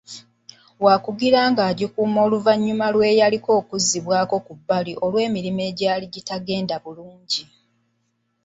Wakugira ng'agikuuma oluvannyuma lw'eyaliko okuzzibwako ku bbali olw'emirimu egyali gitagenda bulungi.